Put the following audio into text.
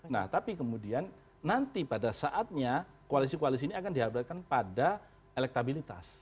nah tapi kemudian nanti pada saatnya koalisi koalisi ini akan dihadapkan pada elektabilitas